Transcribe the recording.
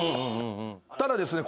ただですね